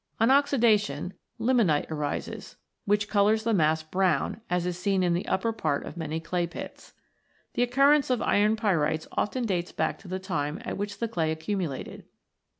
On oxidation, limonite arises, which colours the mass brown, as is seen in the upper part of many clay pits. The occurrence of iron pyrites often dates back to the time at which the clay accumulated.